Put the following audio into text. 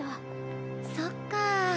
そっか。